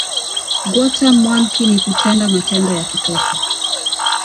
Gwota mwanki ni kutenda matendo ya kitoto